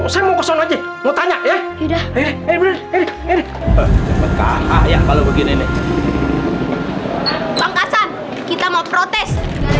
saya mau ke sana aja mau tanya ya udah eh eh eh eh eh kalau begini bangkasan kita mau protes